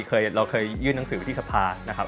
เราเคยยื่นหนังสือที่สภานะครับ